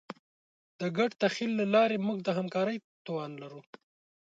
د ګډ تخیل له لارې موږ د همکارۍ توان لرو.